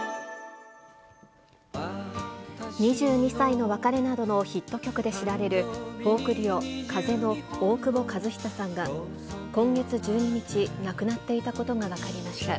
２２才の別れなどのヒット曲で知られる、フォークデュオ、風の大久保一久さんが、今月１２日、亡くなっていたことが分かりました。